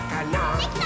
できたー！